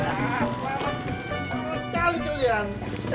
lampet sekali kalian